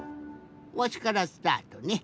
わしからスタートね。